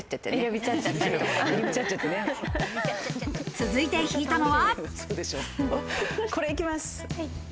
続いて引いたのは。